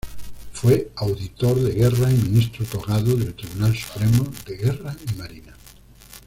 Fue auditor de guerra y ministro togado del Tribunal Supremo de Guerra y Marina.